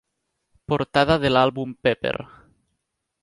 Portada de l'àlbum Pepper.